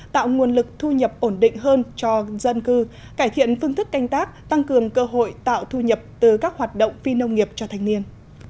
tạo nguồn lực thu nhập ổn định hơn cho dân cư cải thiện phương thức canh tác tăng cường cơ hội tạo thu nhập từ các hoạt động phi nông nghiệp cho thanh niên